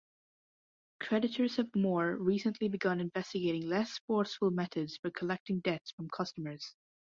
Creditors have more recently begun investigating less forceful methods for collecting debts from customers.